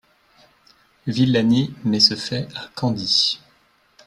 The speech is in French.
Villani met ce fait à Candie.